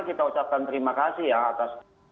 kita ucapkan terima kasih ya atas